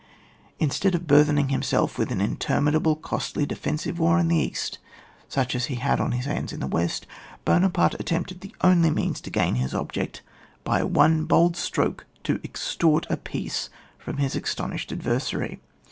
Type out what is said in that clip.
Instead of burthening himself with an interminable costly defensive war in the east, such as he had on his hands in the west, Buonaparte attempted the only mecuLs to gain his object : by one bold stroke to extort a peace from his aston ished adversary.